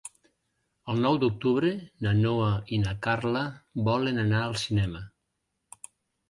El nou d'octubre na Noa i na Carla volen anar al cinema.